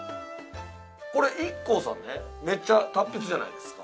ＩＫＫＯさんね、めっちゃ達筆じゃないですか。